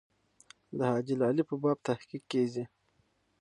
د حاجي لالي په باب تحقیق کېږي.